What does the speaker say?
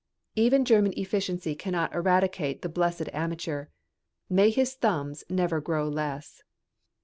Even German efficiency cannot eradicate the blessed amateur. May his thumbs never grow less!